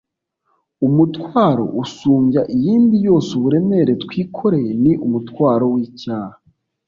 umutwaro usumbya iyindi yose uburemere twikoreye ni umutwaro w’icyaha